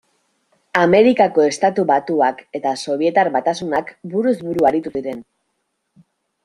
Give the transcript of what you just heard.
Amerikako Estatu Batuak eta Sobietar Batasunak buruz buru aritu ziren.